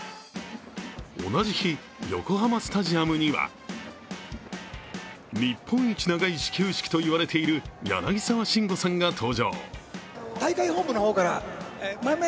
同じ日、横浜スタジアムには日本一長い始球式と言われている柳沢慎吾さんが登場。